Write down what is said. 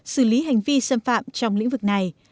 xử lý hành vi xâm phạm trong lĩnh vực này